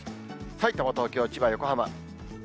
さいたま、東京、千葉、横浜。